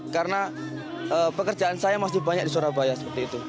karena pekerjaan saya masih banyak di surabaya seperti itu